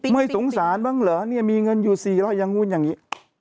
ไม่สงสารบ้างเหรอเนี่ยมีเงินอยู่๔๐๐อย่างนู้นอย่างนี้